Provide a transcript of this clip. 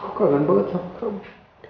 kau kalian banget sama kamu